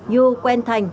yu quen thành